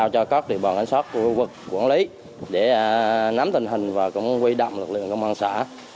cấp địa bòn ảnh sát quốc quản lý để nắm tình hình và cũng quy động lực lượng công an xã